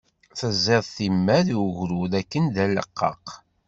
Teẓẓiḍ timmad i ugrud akken d aleqqaq.